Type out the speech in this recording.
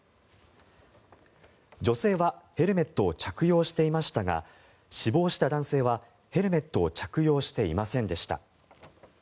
女性はヘルメットを着用していましたが死亡した男性はヘルメットを着用していませんでした。